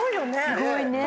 すごいね。